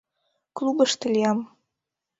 — Клубышто лиям.